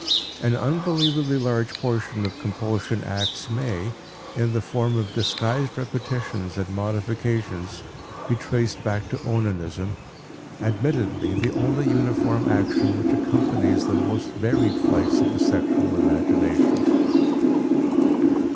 An unbelievably large portion of compulsion acts may, in the form of disguised repetitions and modifications, be traced back to onanism, admittedly the only uniform action which accompanies the most varied flights of the sexual imagination.